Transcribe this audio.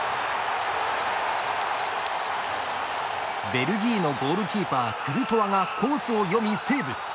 ベルギーのゴールキーパークルトワが、コースを読みセーブ。